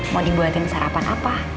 mau dibuatin sarapan apa